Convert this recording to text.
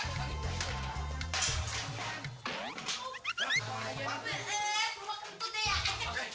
kocok tarik tarik